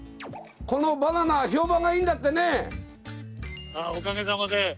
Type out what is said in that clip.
このバナナ評判がいいんだってね！